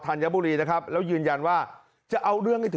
โทรศัพท์โทรศัพท์โทรศัพท์โทรศัพท์